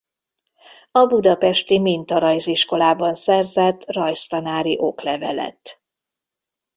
A Budapesti Mintarajziskolában szerzett rajztanári oklevelet.